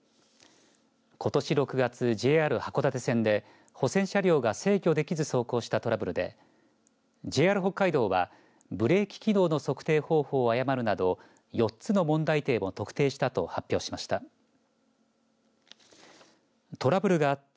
ことし６月、ＪＲ函館線で保線車両が制御できず走行したトラブルでＪＲ北海道はブレーキ機能の測定方法を誤るなど４つの問題点を特定したと発表しました。